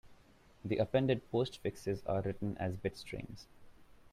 The appended postfixes are written as bit strings.